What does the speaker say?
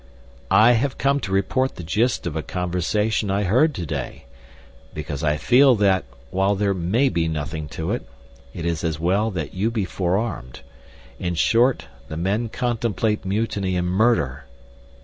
"I have come to report the gist of a conversation I heard to day, because I feel that, while there may be nothing to it, it is as well that you be forearmed. In short, the men contemplate mutiny and murder."